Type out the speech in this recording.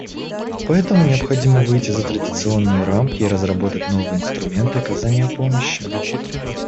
Поэтому необходимо выйти за традиционные рамки и разработать новые инструменты оказания помощи.